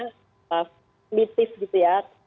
kognitif gitu ya